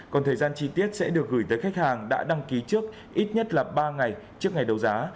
còn thời gian chi tiết sẽ được gửi tới khách hàng đã đăng ký trước ít nhất là ba ngày trước ngày đấu giá